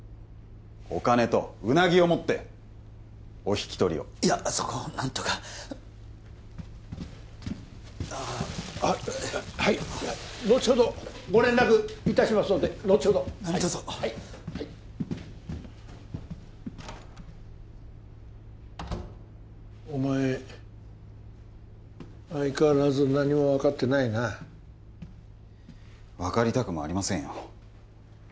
お金とうなぎを持ってお引き取りをいやそこを何とかはいのちほどご連絡いたしますのでのちほど何とぞはいはいはいお前相変わらず何も分かってないな分かりたくもありませんよ